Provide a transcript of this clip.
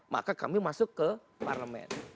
maka kami masuk ke parlemen